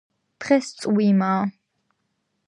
დღეს წვიმააა